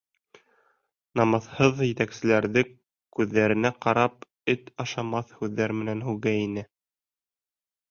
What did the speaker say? Намыҫһыҙ етәкселәрҙе күҙҙәренә ҡарап эт ашамаҫ һүҙҙәр менән һүгә ине.